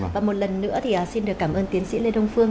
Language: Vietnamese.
và một lần nữa thì xin được cảm ơn tiến sĩ lê đông phương